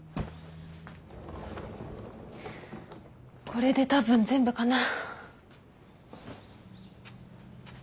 これでたぶん全部かな。